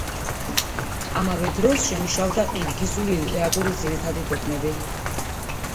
ამავე დროს შემუშავდა ყირგიზული ლიტერატურის ძირითადი დოგმები.